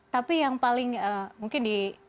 tapi yang paling mungkin di